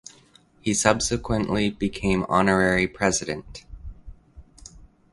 He subsequently became Honorary President.